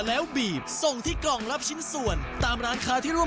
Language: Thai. แล้วบีบส่งที่กล่องรับชิ้นส่วนตามร้านค้าที่ร่วม